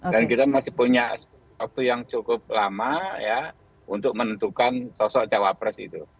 dan kita masih punya waktu yang cukup lama ya untuk menentukan sosok cawapres itu